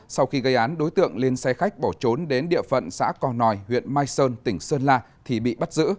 sau khi gây án đối tượng lên xe khách bỏ trốn đến địa phận xã cò nòi huyện mai sơn tỉnh sơn la thì bị bắt giữ